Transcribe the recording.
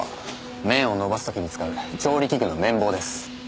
麺を延ばす時に使う調理器具の麺棒です。